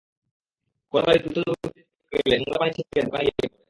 কোনো গাড়ি দ্রুত গতিতে ছুটে গেলে নোংরা পানি ছিটকে দোকানে গিয়ে পড়ে।